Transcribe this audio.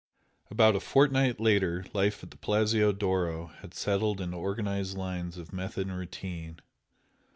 About a fortnight later life at the Palazzo d'Oro had settled into organised lines of method and routine.